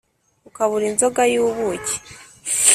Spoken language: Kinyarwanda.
ukabura inzoga y’ubuki